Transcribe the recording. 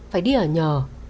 phải đi ở nhờ